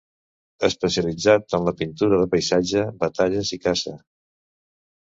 Especialitzat en la pintura de paisatge, batalles i caça.